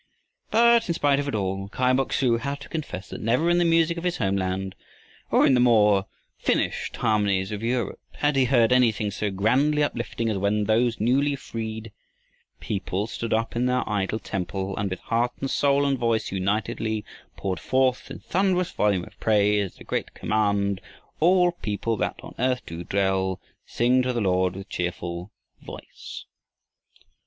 But in spite of it all, Kai Bok su had to confess that never in the music of his homeland or in the more finished harmonies of Europe, had he heard anything so grandly uplifting as when those newly freed people stood up in their idol temple and with heart and soul and voice unitedly poured forth in thunderous volume of praise the great command: All people that on earth do dwell, Sing to the Lord with cheerful voice.